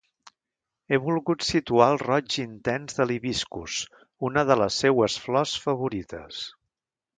He volgut situar el roig intens de l’hibiscus, una de les seues flors favorites.